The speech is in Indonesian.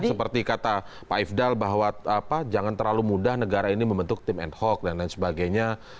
seperti kata pak ifdal bahwa jangan terlalu mudah negara ini membentuk tim ad hoc dan lain sebagainya